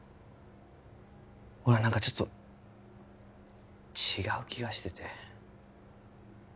俺は何かちょっと違う気がしてて